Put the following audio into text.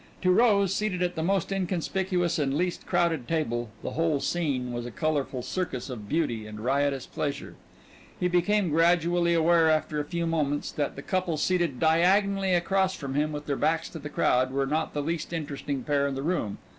To Rose, seated at the most inconspicuous and least crowded table, the whole scene was a colorful circus of beauty and riotous pleasure. He became gradually aware, after a few moments, that the couple seated diagonally across from him with their backs to the crowd, were not the least interesting pair in the room.